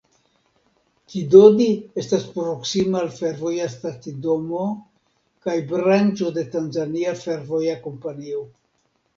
Kidodi estas proksima al fervoja stacidomo kaj branĉo de Tanzania Fervoja Kompanio.